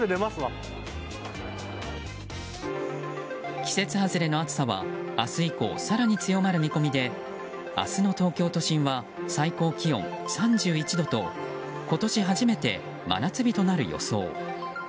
季節外れの暑さは明日以降、更に強まる見込みで明日の東京都心は最高気温３１度と今年初めて真夏日となる予想。